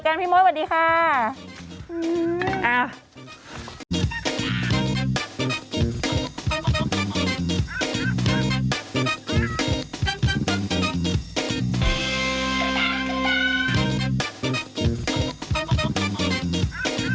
ไม่ได้อีกสิบสิบไก่วันอาจจะสิบ